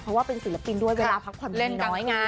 เพราะว่าเป็นศิลปินด้วยเวลาพักผ่อนเล่นกันนี่ไง